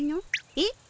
えっ？